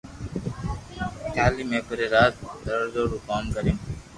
ڪالي مي پري رات درزو رو ڪوم ڪريو